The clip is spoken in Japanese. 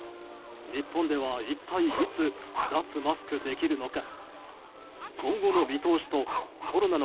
日本では一体いつ脱マスクできるのか。